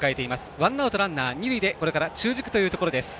ワンアウト、ランナー、二塁でこれから中軸というところです。